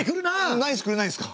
ナイスくれないんですか？